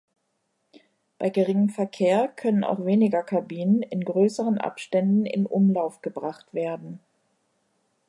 Bei geringem Verkehr können auch weniger Kabinen in größeren Abständen in Umlauf gebracht werden.